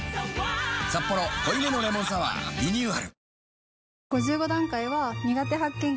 「サッポロ濃いめのレモンサワー」リニューアル